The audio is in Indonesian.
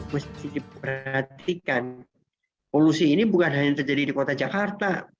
mesti diperhatikan polusi ini bukan hanya terjadi di kota jakarta